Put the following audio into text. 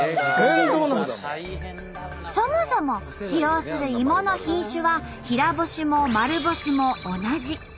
そもそも使用する芋の品種は平干しも丸干しも同じ。